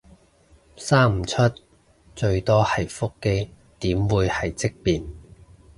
生唔出最多係腹肌，點會係積便